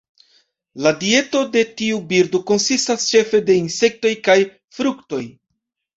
La dieto de tiu birdo konsistas ĉefe de insektoj kaj fruktoj.